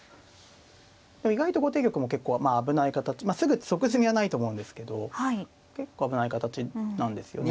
意外と後手玉も結構まあ危ない形すぐ即詰みはないと思うんですけど結構危ない形なんですよね。